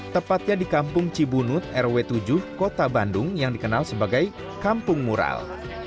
tepatnya di kampung cibunut rw tujuh kota bandung yang dikenal sebagai kampung mural